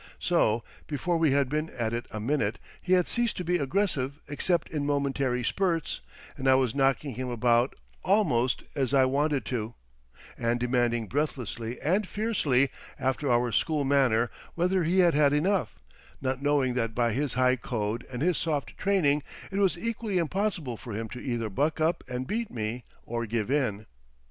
So before we had been at it a minute he had ceased to be aggressive except in momentary spurts, and I was knocking him about almost as I wanted to do; and demanding breathlessly and fiercely, after our school manner, whether he had had enough, not knowing that by his high code and his soft training it was equally impossible for him to either buck up and beat me, or give in.